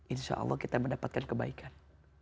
insya allah kita mendapatkan kebaikan